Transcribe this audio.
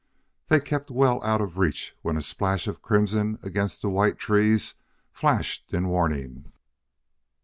They kept well out of reach when a splash of crimson against the white trees flashed in warning.